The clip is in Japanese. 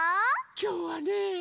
きょうはね。